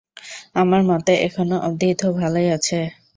আমার মতে এখনো অব্ধি তো ভালোই যাচ্ছে।